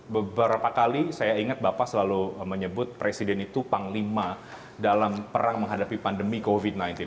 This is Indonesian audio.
beberapa kali saya ingat bapak selalu menyebut presiden itu panglima dalam perang menghadapi pandemi covid sembilan belas